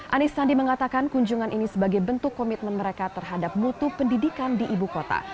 anies sandi mengatakan kunjungan ini sebagai bentuk komitmen mereka terhadap mutu pendidikan di ibu kota